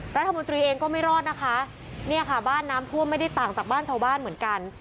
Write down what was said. รัฐมนตรีเองก็ไม่รอดนะคะเนี่ยค่ะบ้านน้ำท่วมไม่ได้ต่างจากบ้านชาวบ้านเหมือนกัน